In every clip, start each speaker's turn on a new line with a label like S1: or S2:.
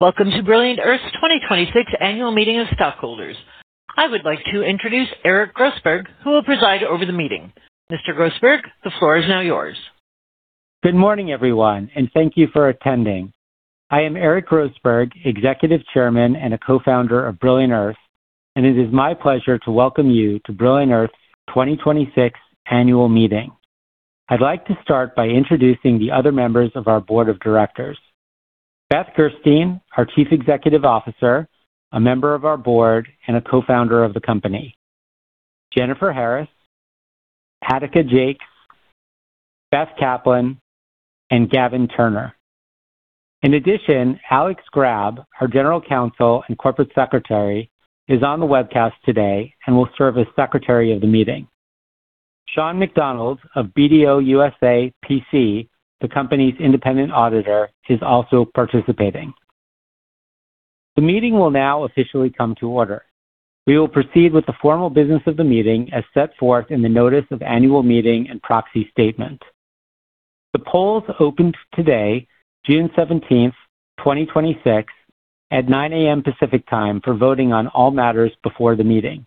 S1: Welcome to Brilliant Earth's 2026 Annual Meeting of Stockholders. I would like to introduce Eric Grossberg, who will preside over the meeting. Mr. Grossberg, the floor is now yours.
S2: Good morning, everyone. Thank you for attending. I am Eric Grossberg, Executive Chairman and a co-founder of Brilliant Earth, and it is my pleasure to welcome you to Brilliant Earth's 2026 Annual Meeting. I'd like to start by introducing the other members of our Board of Directors. Beth Gerstein, our Chief Executive Officer, a member of our board, and a co-founder of the company. Jennifer Harris, Attica Jaques, Beth Kaplan, and Gavin Turner. In addition, Alex Grab, our General Counsel and Corporate Secretary, is on the webcast today and will serve as Secretary of the meeting. Sean McDonald of BDO USA, LLP, the company's independent auditor, is also participating. The meeting will now officially come to order. We will proceed with the formal business of the meeting as set forth in the notice of annual meeting and proxy statement. The polls opened today, June 17th, 2026, at 9:00 A.M. Pacific Time for voting on all matters before the meeting.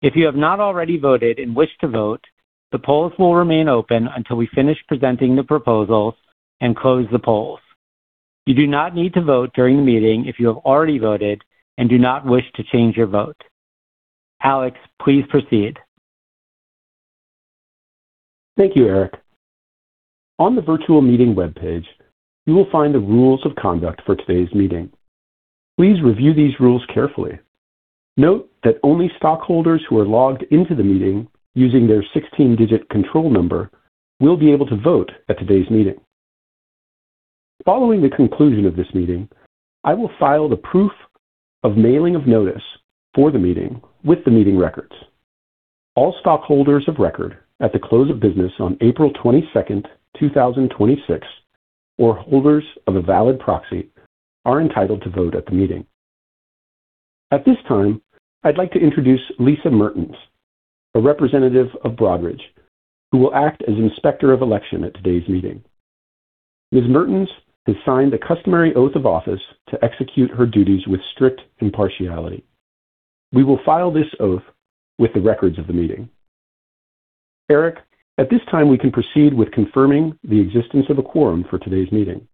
S2: If you have not already voted and wish to vote, the polls will remain open until we finish presenting the proposals and close the polls. You do not need to vote during the meeting if you have already voted and do not wish to change your vote. Alex, please proceed.
S3: Thank you, Eric. On the virtual meeting webpage, you will find the rules of conduct for today's meeting. Please review these rules carefully. Note that only stockholders who are logged in to the meeting using their 16-digit control number will be able to vote at today's meeting. Following the conclusion of this meeting, I will file the proof of mailing of notice for the meeting with the meeting records. All stockholders of record at the close of business on April 22nd, 2026, or holders of a valid proxy, are entitled to vote at the meeting. At this time, I'd like to introduce Lisa Mertens, a representative of Broadridge, who will act as Inspector of Election at today's meeting. Ms. Mertens has signed the customary oath of office to execute her duties with strict impartiality. We will file this oath with the records of the meeting. Eric, at this time, we can proceed with confirming the existence of a quorum for today's meeting.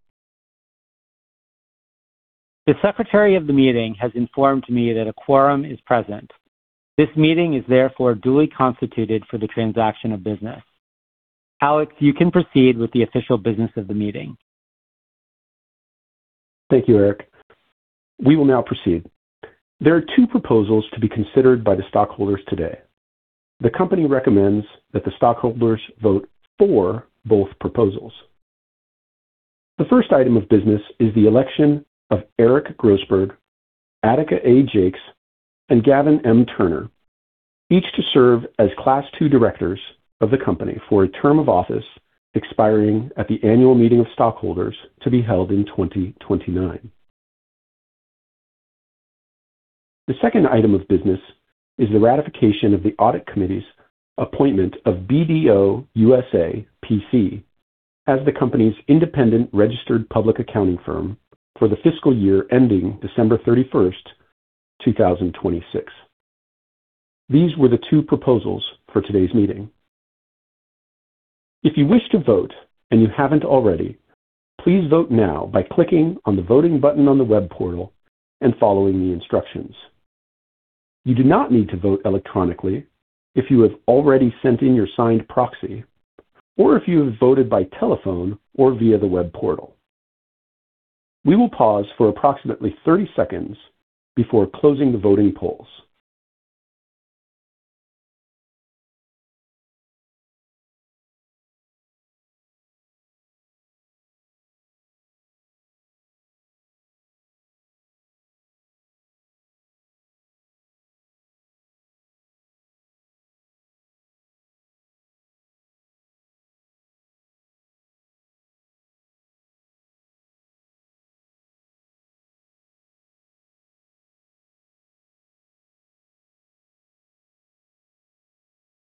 S2: The secretary of the meeting has informed me that a quorum is present. This meeting is therefore duly constituted for the transaction of business. Alex, you can proceed with the official business of the meeting.
S3: Thank you, Eric. We will now proceed. There are two proposals to be considered by the stockholders today. The company recommends that the stockholders vote for both proposals. The first item of business is the election of Eric Grossberg, Attica A. Jaques, and Gavin M. Turner, each to serve as Class II directors of the company for a term of office expiring at the annual meeting of stockholders to be held in 2029. The second item of business is the ratification of the audit committee's appointment of BDO USA, LLP as the company's independent registered public accounting firm for the fiscal year ending December 31st, 2026. These were the two proposals for today's meeting. If you wish to vote and you haven't already, please vote now by clicking on the voting button on the web portal and following the instructions. You do not need to vote electronically if you have already sent in your signed proxy or if you have voted by telephone or via the web portal. We will pause for approximately 30 seconds before closing the voting polls.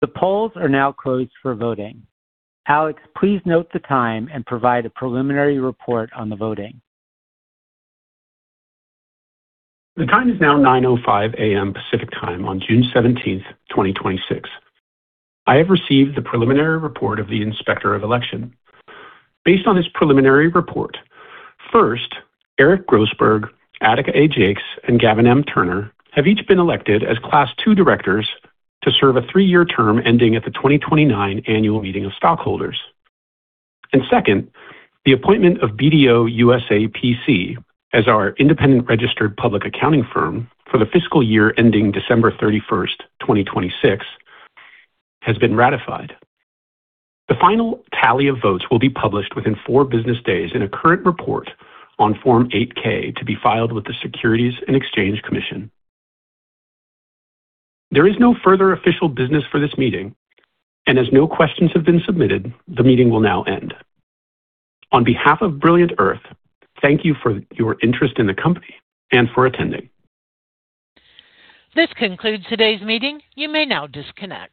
S2: The polls are now closed for voting. Alex, please note the time and provide a preliminary report on the voting.
S3: The time is now 9:05 A.M. Pacific Time on June 17th, 2026. I have received the preliminary report of the Inspector of Election. Based on this preliminary report, first, Eric Grossberg, Attica A. Jaques, and Gavin M. Turner have each been elected as Class II directors to serve a three-year term ending at the 2029 annual meeting of stockholders. Second, the appointment of BDO USA, LLP as our independent registered public accounting firm for the fiscal year ending December 31st, 2026, has been ratified. The final tally of votes will be published within four business days in a current report on Form 8-K to be filed with the Securities and Exchange Commission. There is no further official business for this meeting, and as no questions have been submitted, the meeting will now end. On behalf of Brilliant Earth, thank you for your interest in the company and for attending.
S1: This concludes today's meeting. You may now disconnect.